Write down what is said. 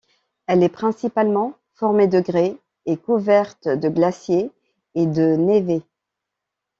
Elle est principalement formée de grès et est couverte de glaciers et de névés.